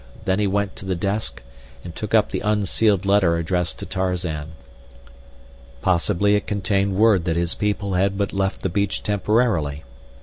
Then he went to the desk and took up the unsealed letter addressed to Tarzan. Possibly it contained word that his people had but left the beach temporarily.